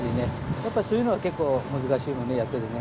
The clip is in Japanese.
やっぱそういうのは結構難しいねやっててね。